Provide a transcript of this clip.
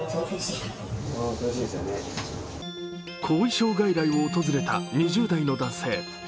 後遺症外来を訪れた２０代の男性。